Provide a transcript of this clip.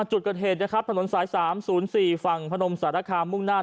จุดเกิดเหตุนะครับถนนสายสามศูนย์สี่ฝั่งพระนมสารคามมุ่งหน้าน